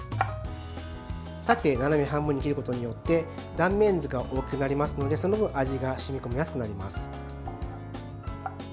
縦斜め半分に切ることによって断面図が大きくなりますのでその分、味が染み込みやすくなります。